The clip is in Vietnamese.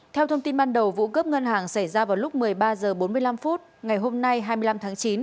theo thông tin ban đầu vụ cướp ngân hàng xảy ra vào lúc một mươi ba h bốn mươi năm ngày hôm nay hai mươi năm tháng chín